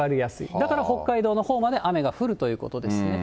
だから北海道のほうまで雨が降るということですね。